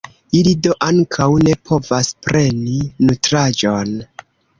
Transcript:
Ili do ankaŭ ne povas preni nutraĵon.